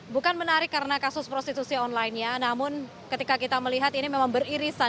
bukan menarik karena kasus prostitusi online nya namun ketika kita melihat ini memang beririsan